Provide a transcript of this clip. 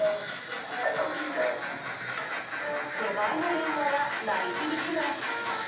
出前の電話が鳴り響きます。